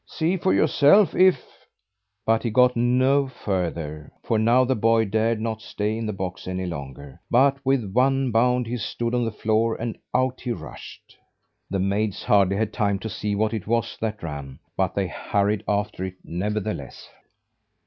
"See for yourself if " But he got no further, for now the boy dared not stay in the box any longer, but with one bound he stood on the floor, and out he rushed. The maids hardly had time to see what it was that ran, but they hurried after it, nevertheless.